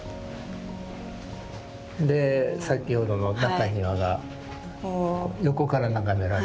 で先ほどの中庭が横から眺められる。